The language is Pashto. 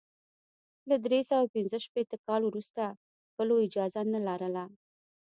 له درې سوه پنځه شپېته کال وروسته کلو اجازه نه لرله.